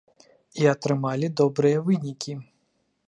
І атрымалі добрыя вынікі.